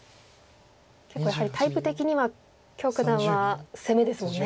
結構やはりタイプ的には許九段は攻めですもんね。